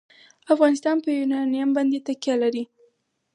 افغانستان په یورانیم باندې تکیه لري.